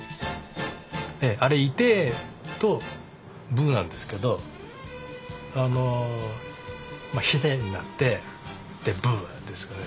あれ「いてえ」と「ぶー」なんですけど「ひで」になって「ぶー」ですよね。